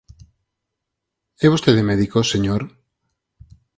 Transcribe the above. É vostede médico, señor?